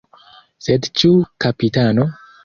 Sed ĉu kapitano?